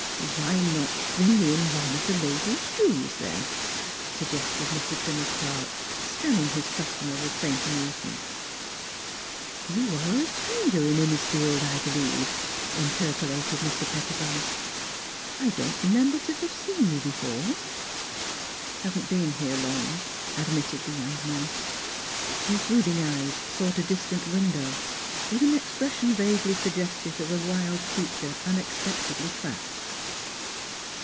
" Why not bring in one of the lady's shoes, then?" suggested Mr. Trimmer's clerk, scan ning his customer with faint amusement. 106 NEIGHBORS " You are a stranger in Innisfield, I believe," interpolated Mr. Pettibone. " I don't remember to have seen you before." " Haven't been here long," admitted the young man. His brooding eyes sought a distant window, with an expression vaguely suggestive of a wild creature unexpectedly trapped.